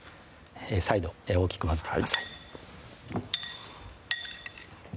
再度大きく混ぜてください